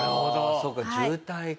そっか渋滞か。